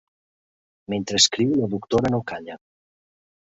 Mentre escriu, la doctora no calla.